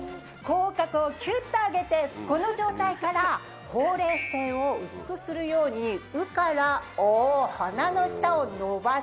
口角をキュっと上げてこの状態からほうれい線を薄くするように「う」から「お」鼻の下を伸ばして。